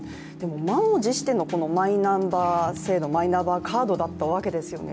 満を持してのこのマイナンバー制度、マイナンバーカードだったわけですよね。